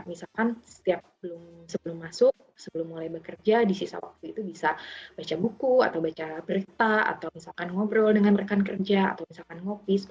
misalkan sebelum masuk sebelum mulai bekerja di sisa waktu bisa baca buku atau berita atau ngobrol dengan rekan kerja atau ngopi